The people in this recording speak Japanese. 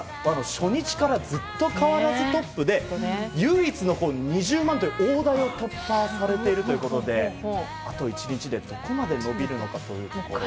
初日からずっと変わらずトップで唯一の２０万台という大台を突破されているということであと１日で、どこまで伸びるのかというところも。